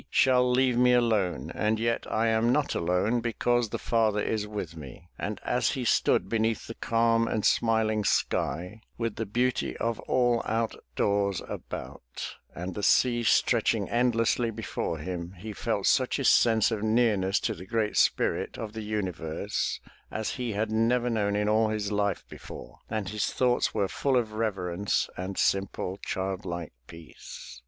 . shall leave me alone, and yet I am not alone because the Father is with me." And as he stood beneath the calm and smiling sky, with the beauty of all out doors about, and the sea stretching endlessly before him, he felt such a sense of nearness to the great Spirit of the universe, as he had never known in all his life before, and his thoughts were full of reverence and simple childlike peace.